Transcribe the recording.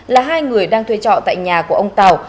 là hai người đang thuê trọ tại nhà của ông tàu